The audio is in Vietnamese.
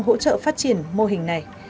hỗ trợ phát triển mô hình này